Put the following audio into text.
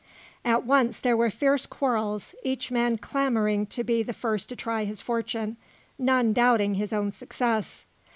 At once there were fierce quarrels, each man clamouring to be the first to try his fortune, none doubting his own success.